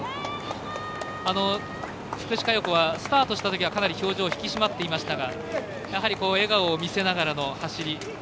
福士加代子はスタートしたときはかなり表情引き締まっていましたがやはり笑顔を見せながら走り。